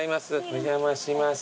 お邪魔します。